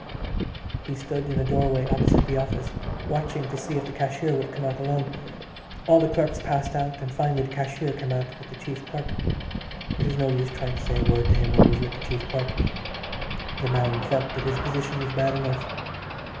He stood in a doorway opposite the office watching to see if the cashier would come out alone. All the clerks passed out and finally the cashier came out with the chief clerk. It was no use trying to say a word to him when he was with the chief clerk. The man felt that his position was bad enough.